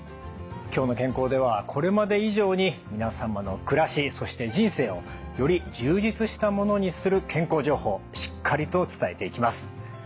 「きょうの健康」ではこれまで以上に皆様の暮らしそして人生をより充実したものにする健康情報しっかりと伝えていきます。